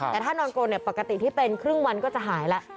แต่ถ้านอนโกนปกติที่เป็นครึ่งวันก็จะหายแล้ว